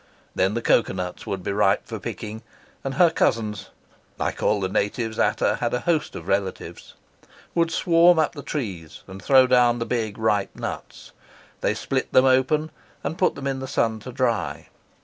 Then the cocoa nuts would be ripe for picking, and her cousins (like all the natives, Ata had a host of relatives) would swarm up the trees and throw down the big ripe nuts. They split them open and put them in the sun to dry.